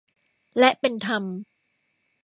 และเป็นธรรม